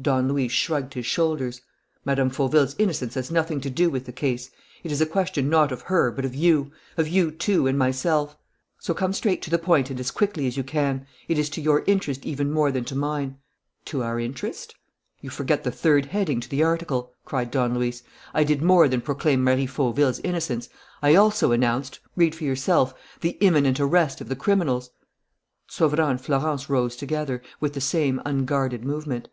Don Luis shrugged his shoulders. "Mme. Fauville's innocence has nothing to do with the case. It is a question not of her, but of you, of you two and myself. So come straight to the point and as quickly as you can. It is to your interest even more than to mine." "To our interest?" "You forget the third heading to the article," cried Don Luis. "I did more than proclaim Marie Fauville's innocence. I also announced read for yourself The 'imminent arrest of the criminals.'" Sauverand and Florence rose together, with the same unguarded movement.